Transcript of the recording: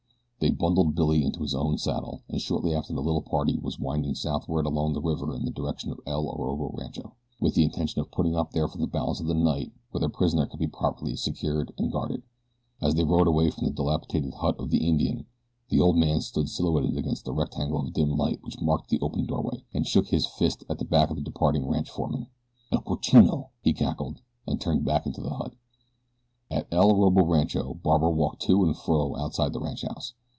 They bundled Billy into his own saddle, and shortly after the little party was winding southward along the river in the direction of El Orobo Rancho, with the intention of putting up there for the balance of the night where their prisoner could be properly secured and guarded. As they rode away from the dilapidated hut of the Indian the old man stood silhouetted against the rectangle of dim light which marked the open doorway, and shook his fist at the back of the departing ranch foreman. "El cochino!" he cackled, and turned back into his hut. At El Orobo Rancho Barbara walked to and fro outside the ranchhouse.